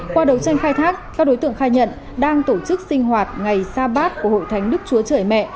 qua đấu tranh khai thác các đối tượng khai nhận đang tổ chức sinh hoạt ngày sa bát của hội thánh đức chúa trời mẹ